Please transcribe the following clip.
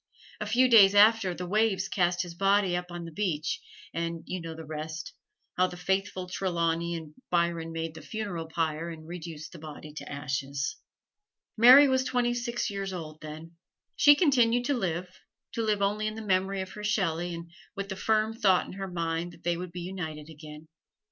A few days after, the waves cast his body up on the beach, and you know the rest how the faithful Trelawney and Byron made the funeral pyre and reduced the body to ashes. Mary was twenty six years old then. She continued to live to live only in the memory of her Shelley and with the firm thought in her mind that they would be united again.